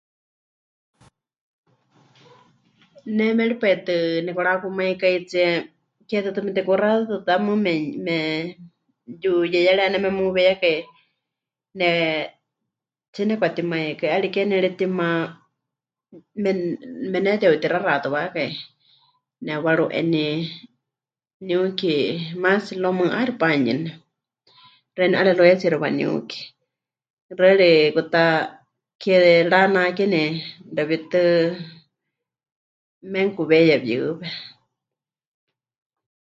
Ne méripai tɨ nemɨkarakumaikáitsie ke tɨtɨ metekuxatatɨ ta mɨɨkɨ me..., me..., yuyeiyari ya'ané memuweiyakai, ne, 'aatsí nepɨkatimaikái, 'ariké ke nepɨretima mepɨne... mepɨnete'utixaxatɨwákai, nepɨwaru'eni, niuki maatsi luego mɨɨkɨ 'aixɨ panuyɨne, xeeníu 'Aleluyatsiixi waniuki. Xɨari kutá ke mɨranakeni xewítɨ menukuweiya pɨyɨwe.